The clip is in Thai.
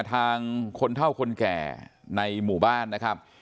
ทางคนเท่าคนแก่ในหมู่บ้านนะครับ